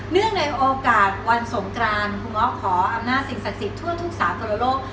ในโอกาสวันสงกรานคุณหมอขออำนาจสิ่งศักดิ์สิทธิ์ทั่วทุกสากลโลก